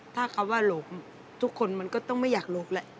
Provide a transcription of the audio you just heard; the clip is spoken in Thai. ถ้าคำว่าหลงทุกคนมันก็ต้องไม่อยากหลบแหละ